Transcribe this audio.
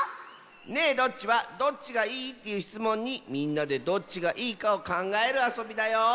「ねえどっち？」は「どっちがいい？」というしつもんにみんなでどっちがいいかをかんがえるあそびだよ！